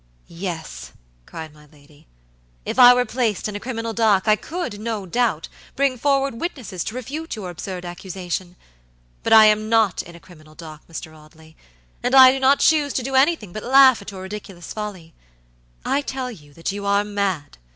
"Yes," cried my lady, "if I were placed in a criminal dock I could, no doubt, bring forward witnesses to refute your absurd accusation. But I am not in a criminal dock, Mr. Audley, and I do not choose to do anything but laugh at your ridiculous folly. I tell you that you are mad!